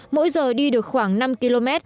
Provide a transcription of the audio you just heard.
mỗi giờ đi được khoảng năm km